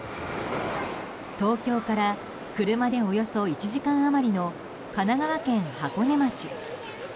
東京から車でおよそ１時間余りの神奈川県箱根町。